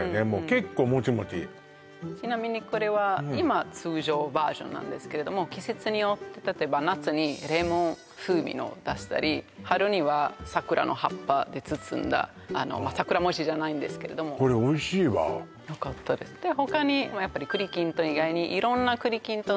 結構モチモチちなみにこれは今通常バージョンなんですけれども季節によって例えば夏にレモン風味を出したり春には桜の葉っぱで包んだ桜餅じゃないんですけれどもこれおいしいわよかったですで他にやっぱり栗きんとん以外にいろんな栗きんとん